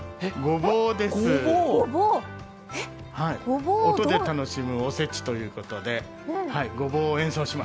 音で楽しむお節ということでごぼうを演奏します。